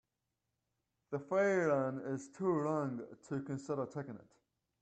The ferry line is too long to consider taking it.